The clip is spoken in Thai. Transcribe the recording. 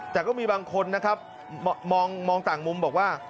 แต่ก็มีบางคนนะครับมองต่างมุมบอกว่า